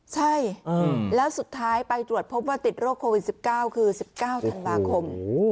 ใช่แล้วสุดท้ายไปตรวจพบว่าติดโรคโควิด๑๙คือ๑๙ธันวาคม